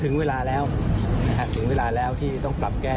ถึงเวลาแล้วถึงเวลาแล้วที่ต้องปรับแก้